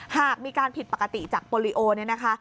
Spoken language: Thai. หากมีการผิดปกติจากโปรลิโอเนี่ยนะคะ